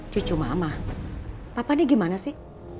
cucu mama papa dia gimana sih